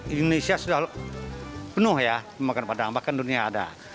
indonesia sudah penuh ya makan padang bahkan dunia ada